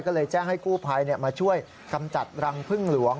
ก็เลยแจ้งให้กู้ภัยมาช่วยกำจัดรังพึ่งหลวง